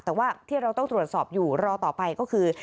แต่ว่าที่เราต้องตรวจสอบอยู่รอต่อไปก็คือ